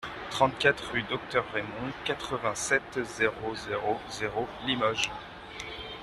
trente-quatre rue Docteur Raymond, quatre-vingt-sept, zéro zéro zéro, Limoges